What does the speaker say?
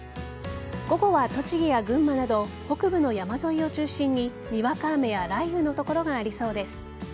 午後は栃木や群馬など北部の山沿いを中心ににわか雨や雷雨の所がありそうです。